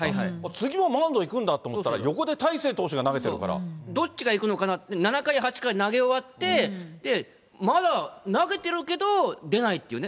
次もマウンドいくんだと思ったら、どっちがいくのかな、７回、８回投げ終わって、まだ投げてるけど、出ないというね。